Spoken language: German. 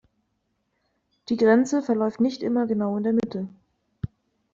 Die Grenze verläuft nicht immer genau in der Mitte.